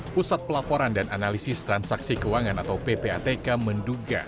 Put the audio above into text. pusat pelaporan dan analisis transaksi keuangan atau ppatk menduga